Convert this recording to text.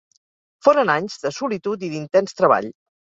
Foren anys de solitud i d'intens treball.